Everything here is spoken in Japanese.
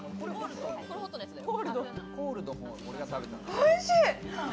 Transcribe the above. おいしい！